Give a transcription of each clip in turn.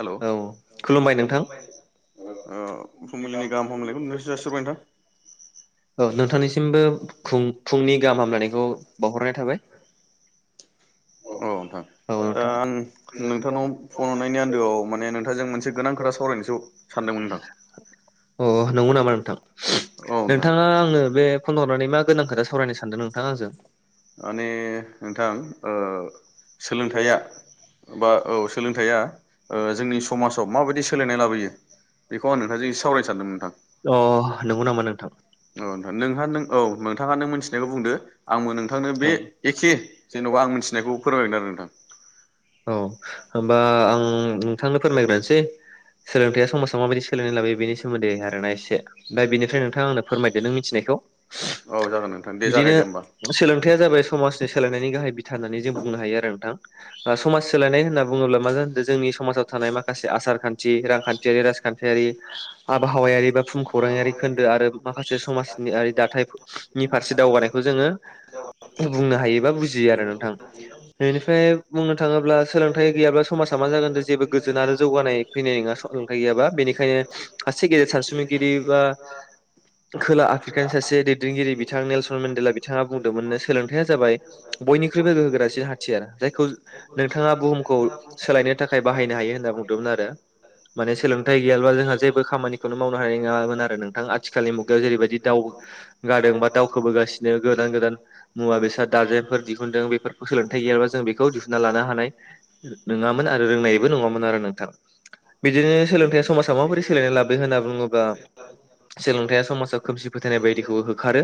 हेल' ओ औ खुलुमबाय नोंथां फुंबिलिनि गाहाम हामलायखौ नोंथांनिसिम जासिहरबाय औ नोंथांनिसिमबो खुं फुंनि गाहाम हामलायनायखौ बावहरनाय थाबाय। अ नोंथां औ ओ नोंथां आं नोंथांनाव अ फन हरनायनि आन्दोआव माने नोंथांजों मोनसे गोनां खोथा सावरायनोसो सानदोंमोन नोंथां नंगौ नामा नोंथां औ नोंथां नोंथाङा आंनो बे फन हरनानै मा गोनां खोथा सावरायनो सानदों नोंथाङा आंजों? माने नोंथां ओ सोलोंथाइया बा औ सोलोंथाइया ओ जोंनि समाजाव माबायदि सोलायनाय लाबोयो बेखौ आं नोंथांजों एसे सावरायनो सानदोंमोन नोंथां। अ नंगौ नामा नोंथां औ नोंथां नोंहा नों औ नोंथाङा नों मिथिनायखौ बुंदो आंबो नोंथांनो बे एखे जेनेबा आं औ। मिथिनायखौ फोरमायगोन आरोना नोंथां। औ होमबा आं नोंथां नो फोरमायग्रानोसै सोलोंथाइया समाजाव माबायदि सो सोलायनाय लाबोयो बेनि सोमोन्दै आरोना एसे दा बेनिफ्राय नोंथां आंनो फोरमायद नों मिथिनायखौ औ जागोन नोंथां दे बिदिनो जागायदो होमबा सोलोंथायाइया जाबाय समाजनि सोलायनायनि गाहाय बिथा होननानै जों बुंनो हायो आरो नोंथां समाज सोलायनाय होनना जोंनि समाव थानाय माखासे आसारखान्थि रांखान्थियारि राजखान्थियारि बहावायारि बा फुम खौरां आरि खोन्दो आरो माखासे समाजनिारि दाथायनि फारसे दावगानायखौ जोङो बुंनो हायो बा बुजियो आरो नोंथां बेनिफ्राय बुंनो थाङोब्ला सोलों सथाइ गैयाब समाजा मा जागोने जेबो गोजोन आरो जौगानाय फैनाय नङा सोलोंथाइ गैयाबा बेनिखायनो गेजेर सानसुमैगिरि बा खोला आफ्रिकानि सासे दैदेनगिरि बिथां नेलसन मेडेला बिथाङा बुंदोंमोननो सोलोंथाइया जाबाय बयख्रुइबो गोहोगोरासि हाथियार जायखौ नोंथाङा बुहुम सोलायनो थाखाय बाहायनो हायो होनना बुंदोंमोन आरो माने सोलोंथाइ गैया जोंहा जेबो खामानिखौ बेखौनो मावनो हानाय नङामोन आरो नोंथां आथिखालनि मुगायाव जेरैबायदि दावउ गादों बा दावखोबोगासिनो गोदान गोदान मुवा बेसाद दाजेनफोर दिहुनदों बेफोरखौ सोलोंथायाइ गैयाबा जों बेखौ दिहुनना लानो हानाय नङामोन आरो रोंनायबो नङामोन आरो नों थां बिदिनो सोलोंथायाइया समाजाव माबोरै सोलायनाय लाबो होनना बुङोबा सोलोंथायाइया समाजाव खोमसि फोथायनाय बायदिखौ होखारो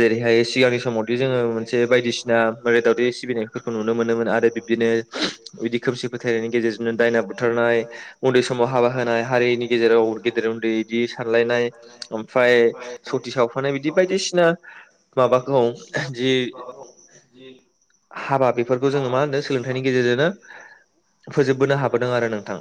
जेरैहाय सिगांनि समावदि जोङो मोनसे बायदिसिना मैदाय दावदै सिबिनायफोरखौ नुनो मोनोमोन आरो बिब्दिनो बिदि खोमसि फोथायनायनि गेजेरजोंनो दायना बुथारनाय [unintelligible] उन्दै समाव हाबा होनाय हारिनि गेजेराव गेदेर उन्दै बिदि सानलायनाय ओमफ्राय सति सावफानाय बिदि बायदिसिना माबाखौ जि हाबा बेफोरखौ जोङो मा होनो सोलोंथाइनि गेजेरजोंनो फोजोबबोनो हाबोदों आरो नोंथां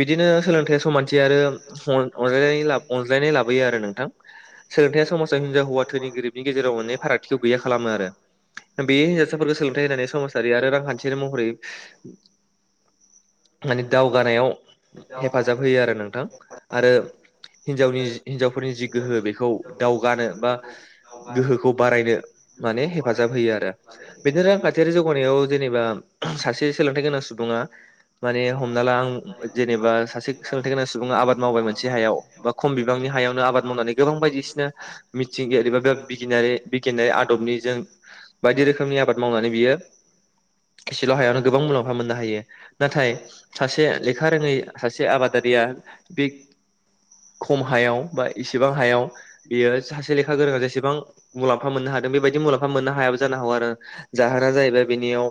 बिदिनो सोलोंथाइ समानथि आरो अन अनज्लायनाय अनज्लायनाय लाबोयो आरो नोंथां सोलोंथाइ समाजाव हिनजाव हौवा थोनि गोरिबनि गेजेरजों हेनजाव होना फारागथिखौ गैया खालामो आरो बे हिन्जावसाफोरखौ सोलोंथाइ होनानै समाजारि आरो रांखान्थियारि महरै माने दावगानायाव हेफाजाब होयो आरो नोंथां आरो हिनजावनि हिनजावफोरनि जि गोहो बेखौ दावगानो बा गोहोखौ बारायनो माने हेफाजाब होयो आरो बेनि रांखान्थियारि जौग गनायाव जेनेबा सासे सोलोंथाइ गोनां सु सुबुङा माने हमना ला आं जेनेबा सासे सोलोंथाइ गोनां सुबुङा आबाद मावबाय मोनसे हायाव बा खम बिबांनि हायावनो आबाद मावनानै गोबां बायदिसिना मिथिंगायारि बा बे बिगि बिगियानारि आदबनि ज बायदि रोखोमनि आबाद मावनानै बियो एसेल' हायावनो गोबां मुलाम्फा मोननो हायो। नाथाय सासे लेखा रोङै सासे आबादारिया बे खम हायाव बा इसेबां हायाव बियो सासे लेखा गोरोंआ जेसेबां मुलाम्फा मोननो हादों बेबायदि मुलाम्फा मोननो हायाबो जानो हागौ आरो जाहोना जाहैबाय बेनियाव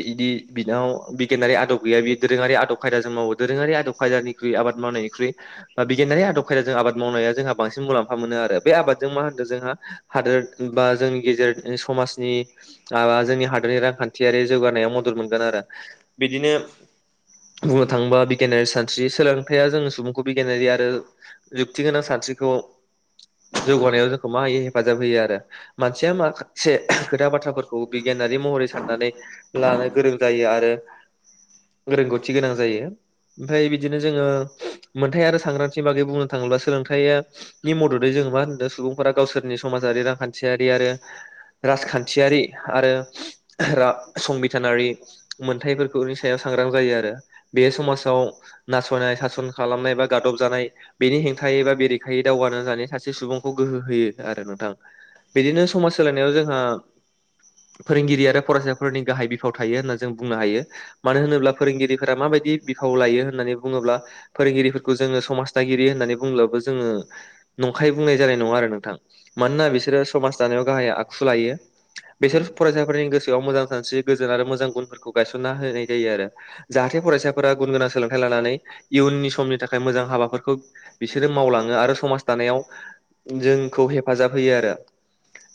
बिदि बिनाव बि आदब गैया बे दोरोङारि आदब खायदाजों मावो दोरोङारि आदब खायदानिख्रुइ आबाद मावनायनिख्रुइ ओ बिगियानारि आदब खायदाजों आबाद मावनाया जोंहा बांसिन मुलाम्फा मोनो आरो बे आबादजों मा होनदों जोंहा हादोर बा जोंनि गेजेर समाजनि आ बा जोंनि हादोरनि रांखान्थियारि जौगानायाव मदद मोनगोन आरो बिदिनो बुंनो थाङोबा बिगियानारि सानस्रि सोलोंथाइया जों सुबुंखौ बिगियानारि आरो जुक्ति गोनां सानस्रिखौ जौगानायाव जोंखौ मा होयो हेफाजाब होयो आरो मानसिया माखासे खोथा बाथ्राफोरखौ बिगियानारि महरै साननानै लानो गोरों जायो आरो रोंगौथि गोनां जायो ओमफ्राय बिदिनो जोङो मोनथाइ आरो सांग्रांथि बागै बुंनो थाङोब्ला सोलोंथायाइया नि मददै जोङो मा होनदों सुबुंफोरा गावसोरनि समाजारि रांखान्थियारि आरो राजखान्थियारि आरो र संबि [unintelligible] मोनथाइफोरखौ सायाव सांग्रां जायो आरो बे समाजाव नासयनाय सासन खालामनाय बा गादब जानाय बेनि हेंथायै बा बेरेखायै दावगानो होनानै सासे सुबुंखौ गोहो होयो आरो नोंथां बिदिनो समाज सोलायनायाव जोंहा फोरोंगिरि आरो फरायसाफोरनि गाहाय बि बिफाव थायो होनना जों बुंनो हायो मानो होनोब्ला फोरोंगिरिफोरा माबायदि बिखाव लायो होननानै बुङोब्ला फोरोंगिरिफोरखौ जोङो समाज दागिरि होननानै बुंब्लाबो जोङो नंखाय बुंनाय जानाय नङा आरो नोंथां मानोना बिसोरो समाज दानायाव गाहाय आखु लायो बिसोर फरायसाफोरनि गोसोआव मोजां सानस्रि गोजोन आरो मोजां गुनफोरखौ गायसनना होहै जायो आरो जाहाथे फरायसाफोरा गुन गोनां सोलोंथाइ लानानै इयुननि समनि थाखाय मोजां हाबाफोरखौ बिसोरो मावलाङो आरो समाज दानायाव जोंखौ हेफाजाब होयो आरो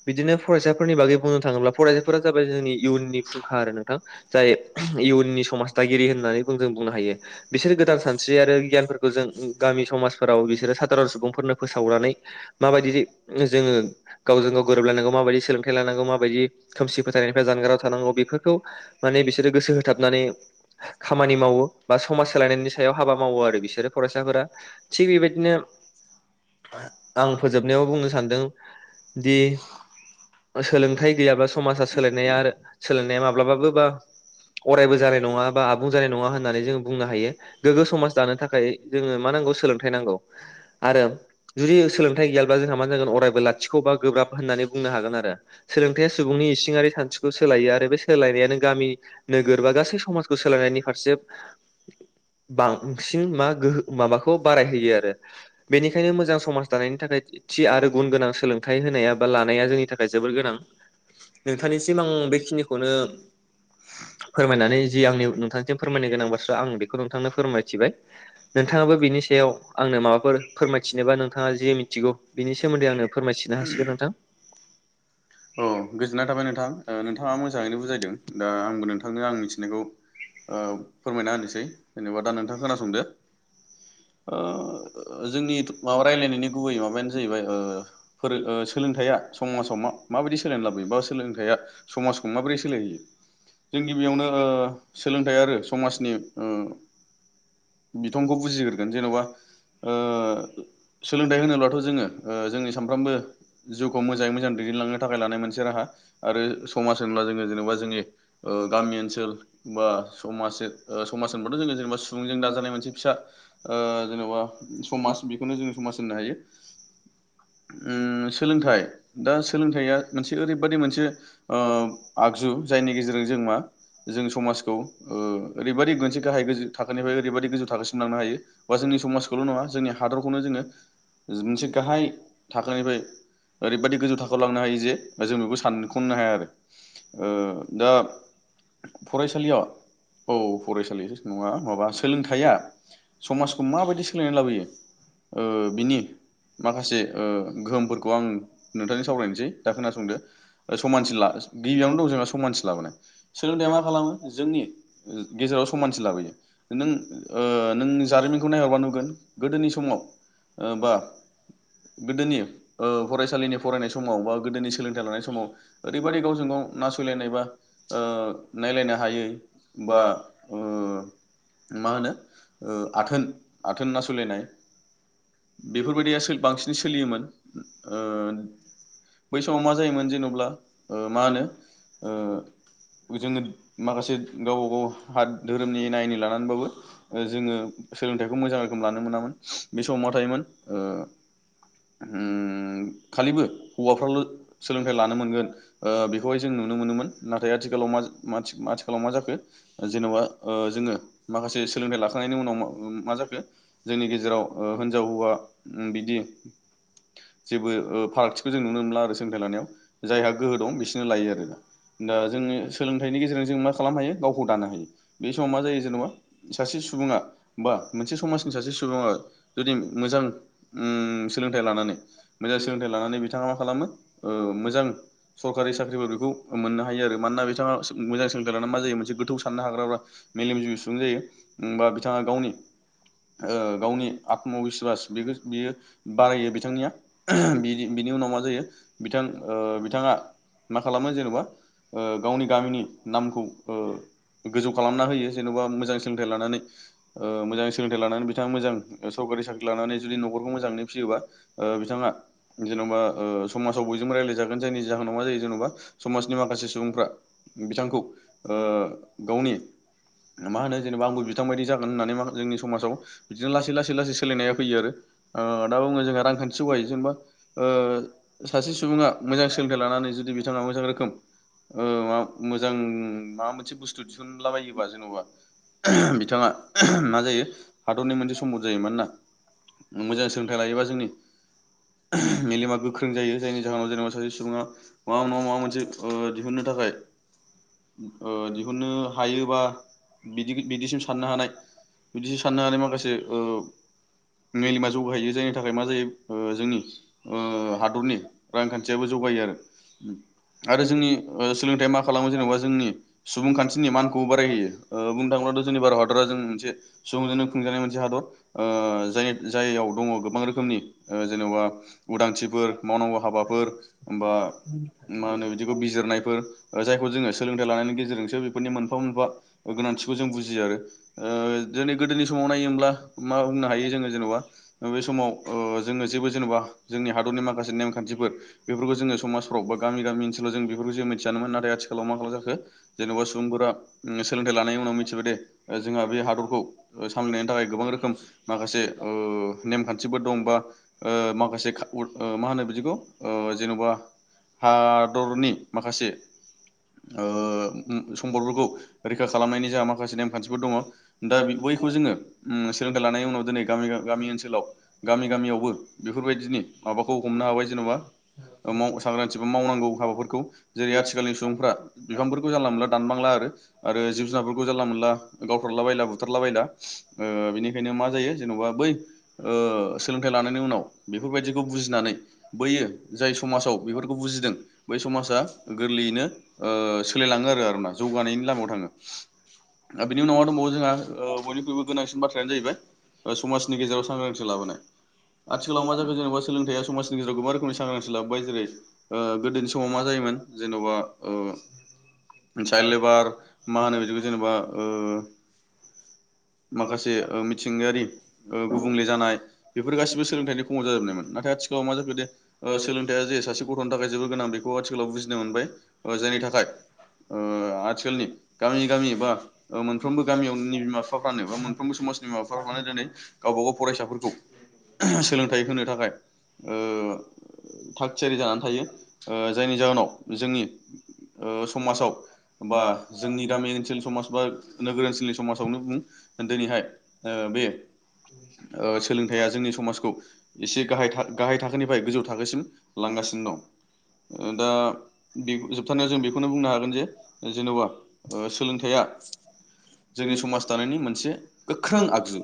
बिदिनो फरायसाफोरनि बागै बुंनो थाङोब्ला फरायसाफोरा जाबाय जोंनि इयुननि फुंखा आरो नोंथां जाय इयुननि समाज दागिरि होननानै बुं जों बुंनो हायो बिसोरो गोदान सानस्रि आरो गियानफोरखौ जों गामि समाजफोराव बिसोरो साधारन सुबुंफोरनो फोसावनानै माबायदि जे जोङो गावजों गाव गोरोबलायनांगौ माबायदि सोलोंथाइ लानांगौ माबायदि खोमसि फोथायनायनिफ्राय जानगाराव थानांगौ बेफोरखौ माने बिसोरो गोसो हो थाबनानै खामानि मावो बा समाज सोलायनायनि सायाव हाबा मावो आरो बिसोरो फरायसाफोरा थिग बेबायदिनो आं फोजोबनायाव बुंनो सानदों दि ओ सोलोंथाइ गैयाब्ला समाजा सोलायनाया आरो सोलोंनाया माब्लाबाबो बा अरायबो जानाय नङा बा आबुं जानाय नङा होननानै जोंङो बुंनो हायो गोग्गो समाज दानो थाखाय जोङो मा नांगौ सोलोंथाइ नांगौ आरो जुदि सोलोंथाइ गैयाब्ला जोंहा मा जागोन अरायबो लाथिख' बा गोब्राब होननानै बुंनो हागोन आरो सोलोंथाइया सुबुंनि इसिङारि सानस्रिखौ सोलायो आरो बे सोलायनायानो गामि नो गोरोबा गासै समाजखौ सोलोंनायनि फारसे बांसिन मा गोहो माबाखौ बारायहोयो आरो बेनिखायनो मोजां समाज दानायनि थाखाय थि आरो गुन गोनां सोलोंथाइ होनाया बा लानाया जोंनि थाखाय जोबोर गोनां नोंथांनिसिम आं बे खिनिखौनो फोरमायनानै जि आंनि नोंथांनिसिम फोरमायनो गोनां बाथ्रा आं बेखौ नोंथांनो फोरमायथिबाय नोंथाङाबो बिनि सायाव आंनो माबाफोर फोरमायथिनोबा नोंथाङा जि मिथिगौ बिनि सोमोन्दै आंनो फोरमायथिनो हासिगोन नोंथां थाङा मोजाङैनो बुजायदों। दा आंबो नोंथ थांनो आं मिथिनायखौ ओ फोरमायना होनोसै जेनेबा दा नोंथां खोनासं दो ओ ओ जोंनि थु माबा रायलायनायनि गुबै माबायानो जाहैबाय ओ फोरों ओ सोलोंथाइया समाजाव मा माबायदि सोलायना लाबोयो बा सोलोंथाइया समाजखौ माबोरै सोलायहोयो जों गिबियावनो ओ सोलोंथाइ आरो समाजनि उम बिथंखौ बुजिग्रोगोन जेनबा ओ सोलोंथाइ होनोब्लाथ' जोङो ओ जोंनि सानफ्रोमबो जिउखौ मोजाङै मोजां दैदेनलांनो थाखाय लानाय मोनसे राहा आरो समाज होनोब्ला जोङो जेनेबा जोंनि ओ गामि ओनसोल बा समाजसे ओ समाज होनबाथ' जोङो जेनेबा सुबुंजों दाजानाय मोनसे फिसा ओ जेन'बा समाज बेखौनो जोङो समाज होननो हायो उम सोलोंथाइ दा सोलोंथाइया मोनसे ओरैबादि मोनसे ओ आगजु जायनि गेजेरजों जों मा जों समाजखौ ओ ओरैबायदि मोनसे गाहाय गोजो थाखोनिफ्राय ओरैबायदि गोजौ थाखोसिम लांनो हायो बा जोंनि समाजखौल' नङा जोंनि हादरखौनो जोङो मोनसे गाहाय थाखोनिफ्राय ओरैबायदि गोजौ थाखोआव लांनो हायो जे जों बेखौ सानखनो हाया आरो ओ दा फरायसालिया औ फरायसालि नङा माबा सोलोंथाइया समाजखौ माबायदि सोलोंनानै लाबोयो ओ बिनि माखासे ओ गोहोमफोरखौ आं नोंथांजों सावरायनोसै दा खोनासंदो ओ समानसिला गिबियावनो दं जोंहा समानसि लाबोनाय सोलोंथाइया मा खालामो जोंनि ओम गेजेराव समानथि लाबोयो नों ओ नों जारिमिनखौ नायहरबा नुगोन गोदोनि समाव ओ बा गोदोनि ओ फरायसालिनि फरायनाय समाव बा गोदोनि सोलोंथाइ लानाय समाव ओरैबायदि गावजों गाव नासयलायनाय बा ओ नायलायनो हायै बा ओ मा होनो ओ आथोन आथोन नासयलायनाय बेब फोरबायदिया सोल बांसिनै सोलियोमोन। ओ बै समाव मा जायोमोन जेनेब्ला ओ मा होनो ओ जोङो माखासे गावबा गाव हा धोरोमनि एना एनि लानानैबाबो ओ जोङो सोलोंथाइखौ मोजां रोखोम लानो मोनामोन बे समावा थायोमोन ओ उम खालिबो हौवाफ्राल सोलोंथाइ लानो मोनगोन ओ बेखौहाय जों नुनो मोनोमोन। नाथाय आथिखालाव माज माथि आथिखालाव मा जाखो जेनबा ओ जोङो माखासे सोलोंथाइ लाखांनायनि उनाव मा जाखो जोंनि गेजेराव ओ हिनजाव हौवा उम बिदि जेबो ओ फारागथिखौ जों नुनो मोनला आरो सोलोंथाइ लानायाव जायहा गोहो दं बिसोरनो लायो आरो दा। दा जोङो सोलोंथाइनि गेजेरजों जों मा खालामनो हायो गावखौ दानो हायो बे समाव मा जायो जेन'बा सासे सुबुङा बा मोनसे समाजनि सासे सुबुङा जुदि मोजां उम सोलोंथाइ लानानै मोजां सोलोंथाइ लानानै बिथाङा मा खालामो ओ मोजां सरखारि साख्रिफोर बेखौ मोननो हायो आरो मानोना बिथाङा सो मोजां सोलोंथाइानो मा जायो मोनसे गोथौ साननो हाग्राफ्रा मेलेमजिबि सुबुं जायो उम बा बिथाङा गावनि ओ गावनि आत्मबिस्वस बेखौ बियो बारायो बिथांनिया ओहोम बिनि बिनि उनाव मा जायो बिथां ओ बिथाङा मा खालामो जेनेबा ओ गावनि गामिनि नामखौ ओ गोजौ खालामना होयो। जेनबा मोजां सोलोंथाइ लानानै ओ मोजां सोलोंथाइ लानानै बिथाङा मोजां ओ सरकारि साख्रि लानानै जुदि नखरखौ मोजाङै फियोबा ओ बिथाङा जेनबा ओ समाजाव बयजोंबो राय्लायजागोन जेनि जाहोनाव मा जायो जेनबा समाजनि माखासे सुबुंफ्रा बिथांखौ ओ गावनि मा होनो जेनेबा आंबो बिथांबायदि जागोन होननानै जोंनि समाजाव बिदिनो लासै लासै लासै लासै सोलायनाया फैयो आरो ओ [unintelligible] जोंङो रांखान्थि जगायो जेनबा ओ सासे सुबुंआ मोजां सो सोलोंथाइ लानानै जुदि बिथांआ मोजां रो औ आ मोजां माबा मोनसे बुस्थु दिहुनलाबायोबा जेनबा एहेम बिथाङा एहेम माजायो हादरनि मोनसे सम्फद जायो मानोना मोजां सोलोंथाइ लायोबा ओहोम जोंनि मेलेमा गोख्रों जायो जायनि जाहोनाव जेनेबा सासे सुबुङा माबा ना माबा मोनसे ओ दिहुननो थाखाय ओ दिहुननो हायोबा बिदि बिदिसिम साननो हानाय बिदिसिम साननो हानाय माखासे मेलेमा जौगाहैयो जायनि थाखाय मा जायो जोंनि हादरनि रांखान्थियाबो जौगायो आरो आरो जोंनि ओ सोलोंथाइया मा खालामो जेनेबा जोंनि सुबुंखान्थिनि मानखौ बारायहोयो ओ बुंनो थाङोब्लाथ' जोंनि भारत हादरा जों मोनसे सुबुंजोंनो खुंजानाय मोनसे हादर ओ जाय जायाव दङ गोबां रोखोमनि ओ जेनबा उदांथिफोर मावनांगौ हाबाफोर ओमबा मा होनो बिदिखौ बिजिरनायफोर ओ जायखौ जोङो सोलोंथाइ लानायनि गेजेरजोंसो बेफोरनि मोनफा मोनफा ओ गोनांथिखौ जों बुजियो आरो ओ दिनै गोदोनि समाव नायोब्ला मा बुंनो हायो जोङो जेनबा बे समाव ओ जोङो जेबो जेनबा जोंनि हादरनि माखासे नेमखान्थिफोर बेफोरखौ जोङो समाजफ्राव बा गामि गामि ओनसोलाव जों बेफोरखौ जों मिथियानोन नाथाय आथिखालाव मा खालाम जाखो जेन'बा सुबुंफोरा उम सोलोंथाइ लानायनि उनाव मिथिबाय दे ओ जोंहा बे हादरखौ ओ सामलायनायनि थाखाय गोबां रोखोम माखासे ओ नेमखान्थिफोर दं बा ओ माखासे खा ऊल ओ मा होनो बिदिखौ ओ जेनबा हा दरनि माखासे ओ उम सम्पदफोरखौ रैखा खालामनायनि जा माखासे नेमखान्थिफोर दङ दा बि बैखौ जोङो उम सोलोंथाइ लानायनि उनाव दिनै गामि गामि ओनसोलाव गामि गामियावबो बेफोरबायदिनि माबाखौ हमनो हाबाय जेनबा म सांग्रांथि बा मावनांगौ हाबाफोरखौ जेरै आथिखालनि सुबुंफ्रा बिफांफोरखौ जानला मोनला दानबांला आरो आरो जिब जुनारफोरखौ जानला मोनला गावथारला बायला बुथारला बायला ओ बेनिखायनो मा जायो जेनबा बै ओ सोलोंथाइ लानायनि उनाव बेफोरबायदिखौ बुजिनानै बैयो जाय समाजाव बेफोरखौ बुजिदों बै समाजा गोरलैयैनो ओ सोलायलाङो आरो आरोना जौगानायनि लामायाव थाङो आ बेनि उनाव आ दंबावो जोंहा ओ बयनिख्रुइबो गोनांसिन बाथ्रायानो जाहैबाय ओ समाजनि गेजेराव सांग्रांथि लाबोनाय। आथिखालाव मा जाबाय जेनबा सोलोंथाया समाजनि गेजेराव गोबां रखोमनि सांग्रांथि लाबोबाय जेरै ओ गोदोनि समाव मा जायोमोन जेनबा ओ साइलेबार माहोनो बिदि [unintelligible] जेनेबा ओ माखासे ओ मिथिंगायारि गुबुंले जानाय बेफोर गासिबो सोलोंथाइनि खमाव जाजोबनायमोन। नाथाय आथिखालाव मा जाखो दे ओ सोलोंथाइया जायो सासे गथ'नो थाखाय जेबोद गोनां बेखौ आथिखालाव बुजिनो मोनबाय ओ जायनि थाखाय ओ आथिखालनि गामि गामि बा मोनफ्रोमबो गामियावनि बिमा बिफाफ्रानो बा मोनफ्रोमबो समाजनि बिमा बिफाफ्रानो दिनै गावबा गाव फरायसाफोरखौ सोलोंथाइ होनो थाखाय थाग थियारि जानानै ओ जायनि जाहोनाव जोंनि समाजाव बा जोंनि गामि ओनसोलनि समाज बा नोगोर ओनसोलनि समाजावनो बुं दिनैहाय ओ बे सोलोंथाइया ओ जोंनि समाजखौ एसे गाहाय गाहाय थाखोनिफ्राय गोजौ थाखोसिम लांगासिनो दं। दा बे जोबथनायाव जों बेखौनो बुंनो हागोन जे जेन'बा ओ सोलोंथाइया जोंनि समाज दानायनि मोनसे गोख्रों आगजु।